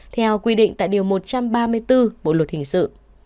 theo quy định tại điều một trăm ba mươi bốn bộ luật hình sự